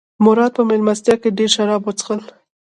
مراد په مېلمستیا کې ډېر شراب وڅښل.